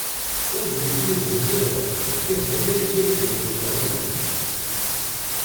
Ur d-yesmuzgut ara, ixeddem ayen i as-d-yenna uqerruy-is.